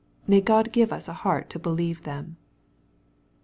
May God give us a heart to believe them.